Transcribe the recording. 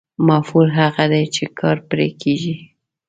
مفعول هغه دی چې کار پرې کېږي.